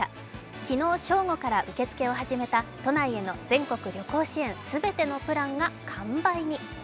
昨日正午から受付を始めた都内への全国旅行支援全てのプランが完売に。